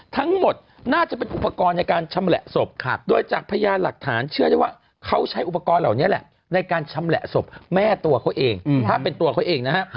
ทั้งหมดน่าจะเป็นอุปกรณ์ในการชำแหละศพโดยจากพญานหลักฐานเชื่อว่าเขาใช้อุปกรณ์เหล่านี้แหละในการชำแหละศพแม่ตัวเขาเอง